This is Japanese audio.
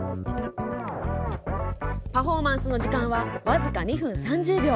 パフォーマンスの時間は僅か２分３０秒。